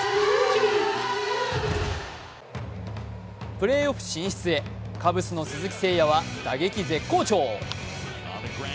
プレーオフ進出へ、カブスの鈴木誠也は打撃絶好調。